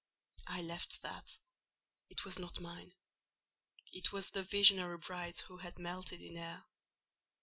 I left that; it was not mine: it was the visionary bride's who had melted in air.